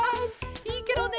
いいケロね。